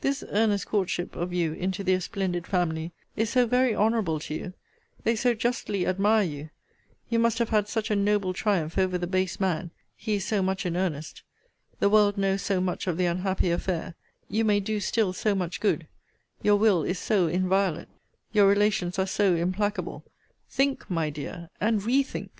This earnest courtship of you into their splendid family is so very honourable to you they so justly admire you you must have had such a noble triumph over the base man he is so much in earnest the world knows so much of the unhappy affair you may do still so much good your will is so inviolate your relations are so implacable think, my dear, and re think.